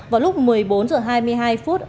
vào lúc một mươi bốn h hai mươi hai phút